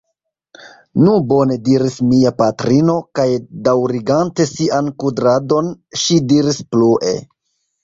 Nu, bone, diris mia patrino, kaj daŭrigante sian kudradon, ŝi diris plue: